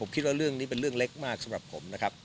คิดว่าเรื่องนี้เป็นเรื่องเล็กมากสำหรับผมนะครับ